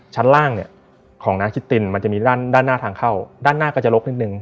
ชั้นล่างเนี่ยของนาคิตตินมันจะมีด้านด้านหน้าทางเข้าด้านหน้าก็จะลกนิดนึง